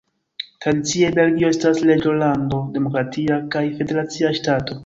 Tradicie Belgio estas Reĝolando, demokratia kaj federacia ŝtato.